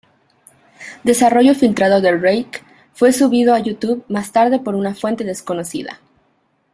Desarrollo filtrado de 'Reich' fue subido a YouTube más tarde por una fuente desconocida.